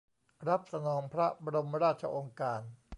รับสนองพระบรมราชโองการ